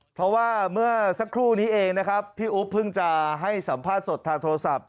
เพราะว่าเมื่อสักครู่นี้เองนะครับพี่อุ๊บเพิ่งจะให้สัมภาษณ์สดทางโทรศัพท์